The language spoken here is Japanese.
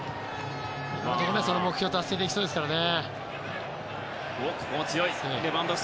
目標達成できそうですからね。